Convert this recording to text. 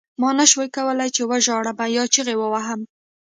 ما نشول کولای چې وژاړم یا چیغې ووهم